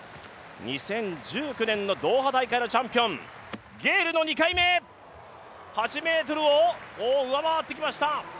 ２０１９年のドーハ大会のチャンピオン、ゲイルの２回目８ｍを上回ってきました。